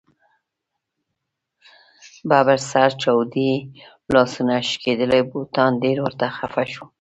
ببر سر، چاودې لاسونه ، شکېدلي بوټان ډېر ورته خفه شو.